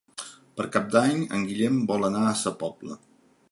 Per Cap d'Any en Guillem vol anar a Sa Pobla.